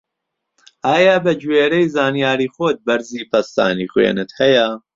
ئایا بە گوێرەی زانیاری خۆت بەرزی پەستانی خوێنت هەیە؟